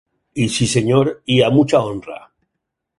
I sí senyor, i a ‘mucha honra’.